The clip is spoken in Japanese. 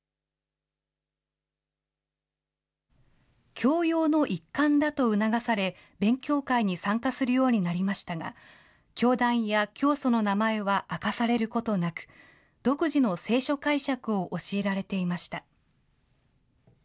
教養の一環だと促され、勉強会に参加するようになりましたが、教団や教祖の名前は明かされることなく、独自の聖書解釈を教えられていました。